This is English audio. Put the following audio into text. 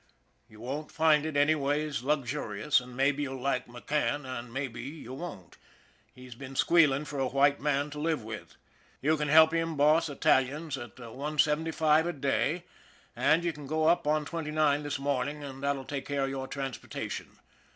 You won't find it anyways luxurious, and maybe you'll like Mc Cann and maybe you won't he's been squealing for a white man to live with. You can help him boss Italians at one seventy five a day, and you can go up on Twenty nine this morning, that'll take care of your transportation.